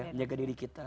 menjaga diri kita